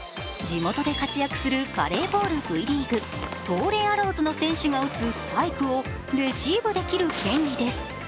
地元で活躍するバレーボールＶリーグ、東レアローズの選手が打つスパイクをレシーブできる権利です。